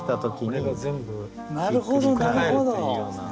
これが全部ひっくり返るっていうような。